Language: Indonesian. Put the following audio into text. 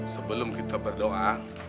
sebelum kita berdoa